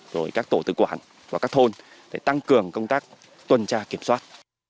rồi các tổ tư quản của các thôn để tăng cường công tác tuần tra kiểm soát